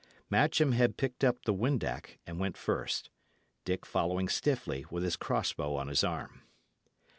Matcham had picked up the windac and went first, Dick following stiffly, with his cross bow on his arm.